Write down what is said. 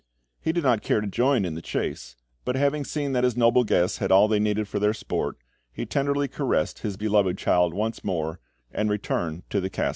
He did not care to join in the chase, but having seen that his noble guests had all they needed for their sport, he tenderly caressed his beloved child once more, and returned to the castle.